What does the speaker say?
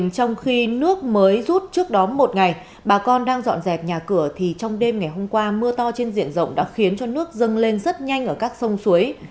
trong khi nước mới rút trước đó một ngày bà con đang dọn dẹp nhà cửa thì trong đêm ngày hôm qua mưa to trên diện rộng đã khiến cho nước dâng lên rất nhanh ở các sông suối